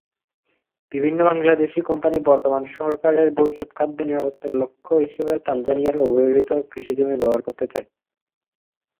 বিভিন্ন বাংলাদেশি কোম্পানি বর্তমান সরকারের ভবিষ্যত খাদ্য নিরাপত্তার লক্ষ্য হিসেবে তানজানিয়ার অব্যবহৃত কৃষিজমি ব্যবহার করতে চায়।